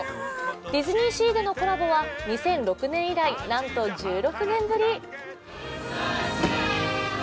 ディズニーシーでのコラボは２００６年以来、なんと１６年ぶり。